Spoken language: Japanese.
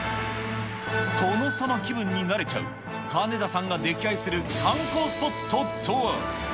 殿様気分になれちゃう、かねださんが溺愛する観光スポットとは。